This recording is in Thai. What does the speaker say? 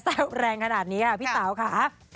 แรงขนาดนี้ค่ะพี่เต๋าค่ะ